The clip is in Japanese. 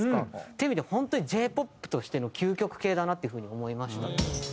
っていう意味では本当にＪ−ＰＯＰとしての究極系だなっていう風に思いました。